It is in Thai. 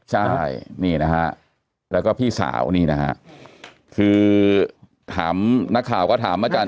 ใช่นี่นะฮะแล้วก็พี่สาวนี่นะฮะคือถามนักข่าวก็ถามอาจารย